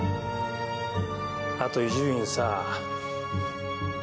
あと伊集院さあ。